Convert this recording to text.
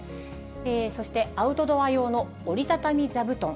そして、アウトドア用の折り畳み座布団。